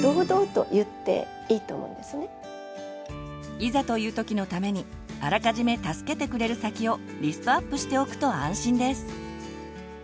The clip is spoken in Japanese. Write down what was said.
いざという時のためにあらかじめ助けてくれる先をリストアップしておくと安心です。